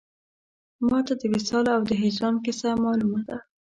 ما ته د وصال او د هجران کیسه مالومه ده